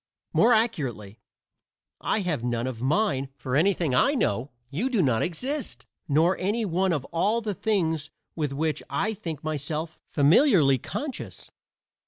More accurately, I have none of mine; for anything I know, you do not exist, nor any one of all the things with which I think myself familiarly conscious.